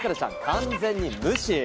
完全に無視。